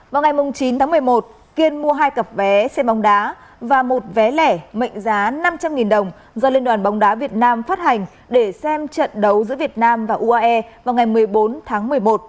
vào ngày chín tháng một mươi một kiên mua hai cặp vé xe bóng đá và một vé lẻ mệnh giá năm trăm linh đồng do liên đoàn bóng đá việt nam phát hành để xem trận đấu giữa việt nam và uae vào ngày một mươi bốn tháng một mươi một